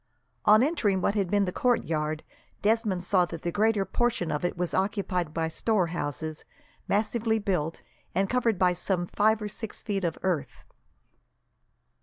On entering what had been the courtyard, Desmond saw that the greater portion of it was occupied by storehouses, massively built, and covered by some five or six feet of earth.